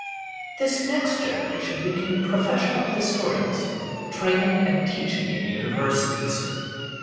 This next generation became professional historians, training and teaching in universities.